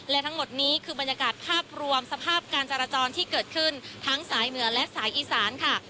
และทั้งหมดนี้คือบรรยากาศภาพรวมสภาพการจราจรที่เกิดขึ้นทั้งสายเหนือและสายอีสานค่ะ